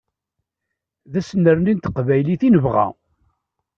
D anserni n teqbaylit i nebɣa.